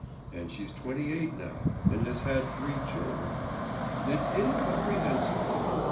And she's twenty eight now, and has had three children.… It's incomprehensible!